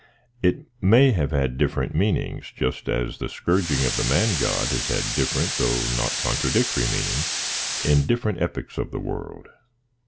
It may have had different meanings, just as the scourging of the man god has had different though not contradictory meanings in different epochs of the world.